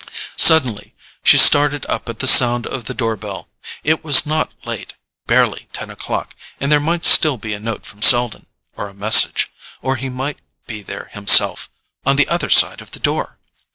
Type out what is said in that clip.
Suddenly she started up at the sound of the door bell. It was not late—barely ten o'clock—and there might still be a note from Selden, or a message—or he might be there himself, on the other side of the door!